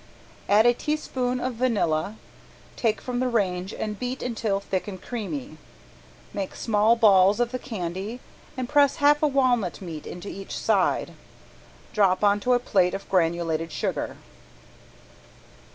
Add a teaspoon of vanilla, take from the range and beat until thick and creamy. Make small balls of the candy and press half a walnut meat into each side. Drop on to a plate of granulated sugar.